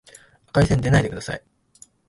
赤い線でないでください